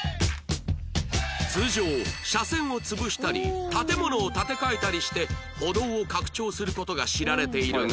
通常車線を潰したり建物を建て替えたりして歩道を拡張する事が知られているが